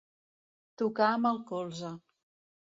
Tocar amb el colze.